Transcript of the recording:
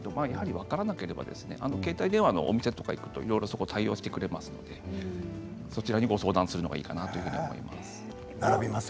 分からなければ携帯電話のお店に行くと対応してくれますのでそちらにご相談するのがいいかと思います。